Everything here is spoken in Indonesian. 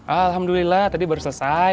alhamdulillah tadi baru selesai